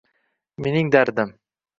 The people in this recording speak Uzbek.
Mening dardim